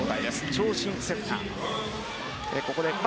長身セッター。